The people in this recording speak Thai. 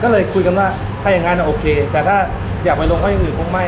ก็เลยคุยกันว่าถ้าอย่างนั้นโอเคแต่ถ้าอยากไปลงเขาอย่างอื่นคงไม่